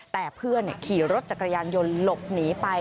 แต่เพื่อนขี่รถจักรยานยนต์หลบหนีไป